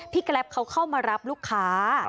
แกรปเขาเข้ามารับลูกค้า